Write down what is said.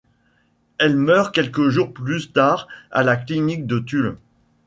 Elle meurt quelques jours plus tard à la clinique de Tulle.